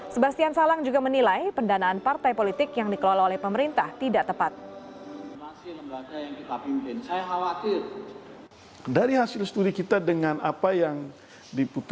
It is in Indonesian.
sebastian salang juga menilai pendanaan partai politik yang dikelola oleh pemerintah tidak tepat